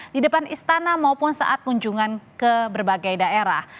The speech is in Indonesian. di depan istana maupun saat kunjungan ke berbagai daerah